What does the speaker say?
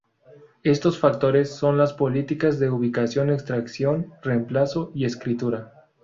Estos factores son las políticas de ubicación, extracción, reemplazo y escritura.